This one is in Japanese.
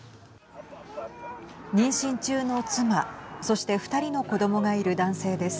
妊娠中の妻そして２人の子どもがいる男性です。